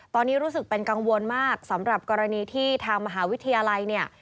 ตอนนี้รู้สึกเป็นกังวลมากสำหรับกรณีที่ทางมหาวิทยาลัยเนี่ย